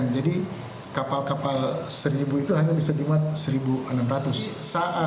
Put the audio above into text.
jadi kapal kapal satu itu hanya bisa dimuat satu enam ratus